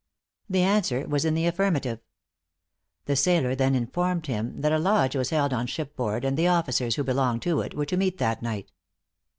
The answer was in the affirmative. The sailor then informed him that a lodge was held on ship board, and the officers, who belonged to it, were to meet that night.